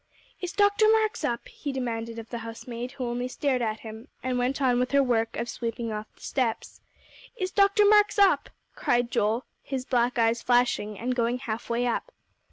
"Is Dr. Marks up?" he demanded of the housemaid, who only stared at him, and went on with her work of sweeping off the steps. "Is Dr. Marks up?" cried Joel, his black eyes flashing, and going halfway up.